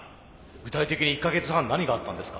具体的に１か月半何があったんですか？